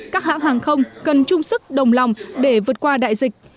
các hãng hàng không cần chung sức đồng lòng để vượt qua đại dịch